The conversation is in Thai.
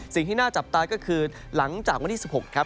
สิ่งที่น่าจับตาก็คือหลังจากวันที่๑๖ครับ